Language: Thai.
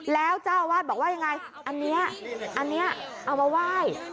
แล้วเจ้าอาวาสบอกว่ายังไงอันนี้อันนี้เอามาไหว้